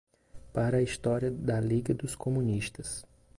Para a História da Liga dos Comunistas